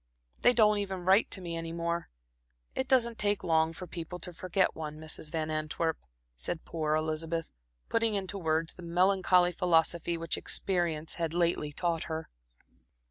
They don't even write to me any more. It doesn't take long for people to forget one, Mrs. Van Antwerp," said poor Elizabeth, putting into words the melancholy philosophy which experience had lately taught her.